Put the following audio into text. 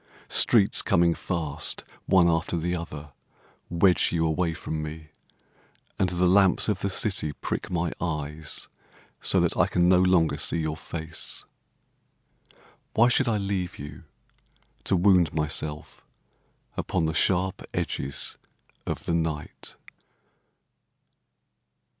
Streets coming fast, One after the other, Wedge you away from me, And the lamps of the city prick my eyes So that I can no longer see your face. Why should I leave you, To wound myself upon the sharp edges of the night?